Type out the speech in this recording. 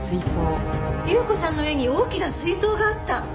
優子さんの家に大きな水槽があった！